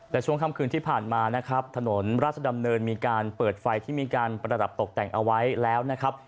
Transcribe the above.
และช่วงค่ำคืนที่ผ่านมานะครับถนนราชดำเนินมีการเปิดไฟที่มีการประดับตกแต่งเอาไว้แล้วนะครับ